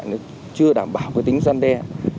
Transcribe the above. nó chưa đảm bảo cái tính răn đe